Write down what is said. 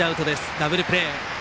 ダブルプレー。